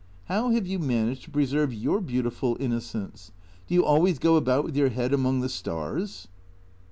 " How have you managed to preserve your beautiful inno cence? Do you always go about with your head among the stars